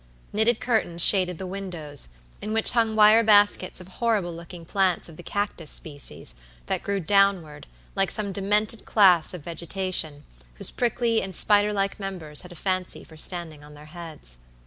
Knitted curtains shaded the windows, in which hung wire baskets of horrible looking plants of the cactus species, that grew downward, like some demented class of vegetation, whose prickly and spider like members had a fancy for standing on their heads.